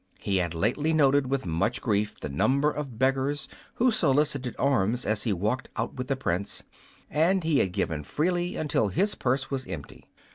He had lately noted, with much grief, the number of beggars who solicited alms as he walked out with the Prince, and he had given freely until his purse was empty.